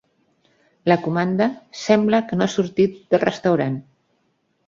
La comanda sembla que no ha sortit del restaurant.